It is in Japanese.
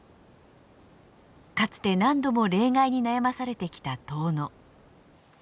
かつて何度も冷害に悩まされてきた遠野。